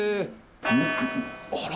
あら。